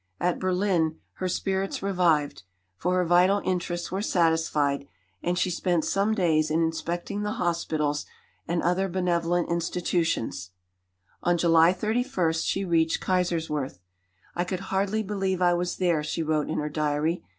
At Berlin her spirits revived; for her vital interests were satisfied, and she spent some days in inspecting the hospitals and other benevolent institutions. On July 31 she reached Kaiserswerth. "I could hardly believe I was there," she wrote in her diary.